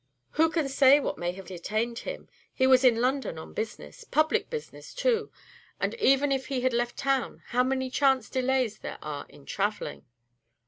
"Who can say what may have detained him? He was in London on business, public business, too; and even if he had left town, how many chance delays there are in travelling."